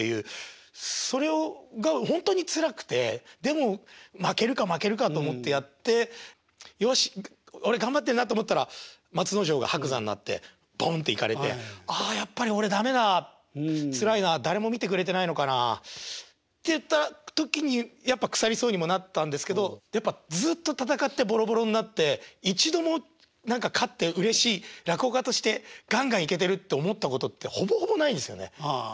それがほんとにつらくてでも負けるか負けるかと思ってやってよし俺頑張ってるなと思ったら松之丞が伯山になってポンッていかれてあやっぱり俺駄目だつらいな誰も見てくれてないのかなっていった時にやっぱ腐りそうにもなったんですけどずっと戦ってボロボロになって一度も何か勝ってうれしい落語家としてガンガンいけてるって思ったことってほぼほぼないんですよね。